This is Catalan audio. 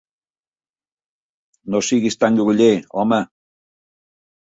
No siguis tan groller, home!